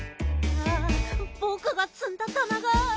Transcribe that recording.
ぼくがつんだたなが。